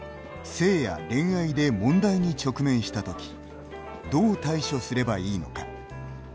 性や恋愛で問題に直面した時どう対処すればいいのか。